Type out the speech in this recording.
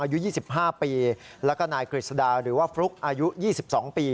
อายุ๒๕ปีแล้วก็นายกฤษดาหรือว่าฟลุ๊กอายุ๒๒ปี